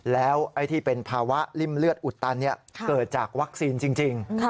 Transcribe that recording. แล้วไอ้ที่เป็นภาวะริ่มเลือดอุดตันเกิดจากวัคซีนจริง